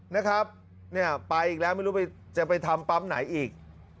นะครับเนี่ยไปอีกแล้วไม่รู้จะไปทำปั๊มไหนอีก